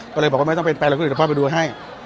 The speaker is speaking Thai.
ก็เลยบอกว่าไม่ต้องเป็นแปลงคุณอื่นแต่พ่อไปดูให้